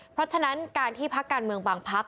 เพราะฉะนั้นการที่พักการเมืองบางพัก